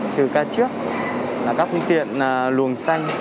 từ ca trước là các phương tiện luồng xanh